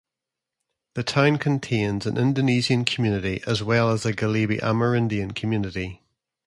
The town contains an Indonesian community, as well as a Galibi Amerindian community.